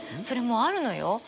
それもうあるのよ